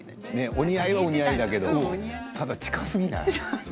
お似合いはお似合いだけれども、ただ近すぎない？